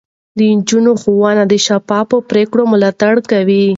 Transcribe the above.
د نجونو ښوونه د شفافو پرېکړو ملاتړ کوي.